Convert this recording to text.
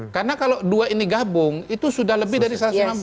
karena kalau dua ini gabung itu sudah lebih dari satu ratus lima belas